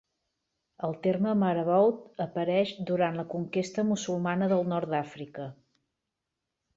El terme Marabout apareix durant la conquesta musulmana del nord d'Àfrica.